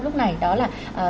lúc này đó là